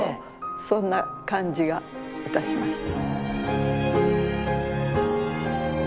そんな感じがいたしました。